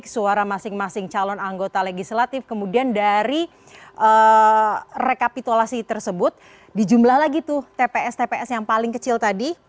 suara masing masing calon anggota legislatif kemudian dari rekapitulasi tersebut dijumlah lagi tuh tps tps yang paling kecil tadi